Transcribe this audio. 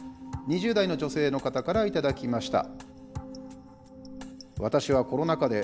２０代の女性の方から頂きました。